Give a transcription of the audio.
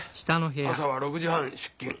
朝は６時半出勤。